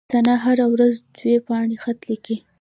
ثنا هره ورځ دوې پاڼي خط ليکي.